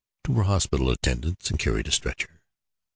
Two were hospital attendants and carried a stretcher.